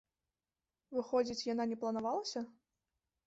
Выходзіць, яна не планавалася?